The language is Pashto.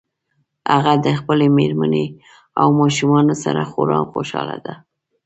هغه د خپلې مېرمنې او ماشومانو سره خورا خوشحاله ده